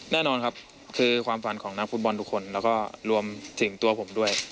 แน่นอนครับคือความฝันของนักฟุตบอลทุกคนแล้วก็รวมถึงตัวผมด้วย